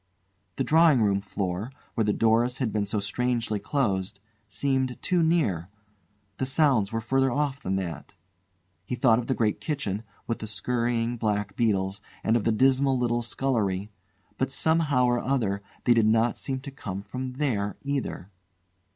The drawing room floor, where the doors had been so strangely closed, seemed too near; the sounds were further off than that. He thought of the great kitchen, with the scurrying black beetles, and of the dismal little scullery; but, somehow or other, they did not seem to come from there either.